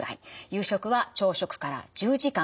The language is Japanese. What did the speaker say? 夕食は朝食から１０時間。